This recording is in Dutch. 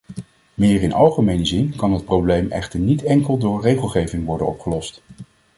Meer in algemene zin kan het probleem echter niet enkel door regelgeving worden opgelost.